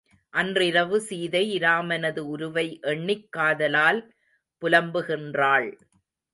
அன்றிரவு சீதை இராமனது உருவை எண்ணிக் காதலால் புலம்புகின்றாள்.